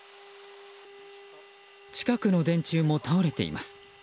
近くの電柱も倒れています。